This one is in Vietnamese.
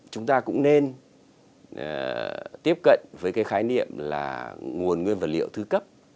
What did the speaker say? chúng ta cũng nên tiếp cận với cái khái niệm là nguồn nguyên vật liệu thứ cấp